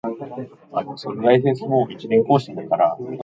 It can cause gastric hemorrhage but is relatively uncommon.